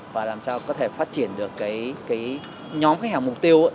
và làm sao có thể phát triển được nhóm khách hàng mục tiêu